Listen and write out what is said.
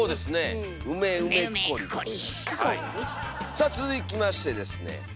さあ続きましてですね